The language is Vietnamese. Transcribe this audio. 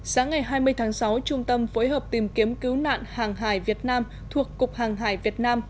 sáng ngày hai mươi tháng sáu trung tâm phối hợp tìm kiếm cứu nạn hàng hải việt nam thuộc cục hàng hải việt nam